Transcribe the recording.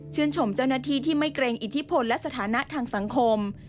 ชมเจ้าหน้าที่ที่ไม่เกรงอิทธิพลและสถานะทางสังคม